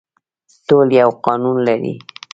ټول یو قانون لري